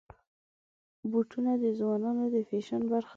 بوټونه د ځوانانو د فیشن برخه ده.